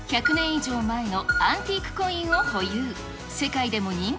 以上前のアンティークコインを保有。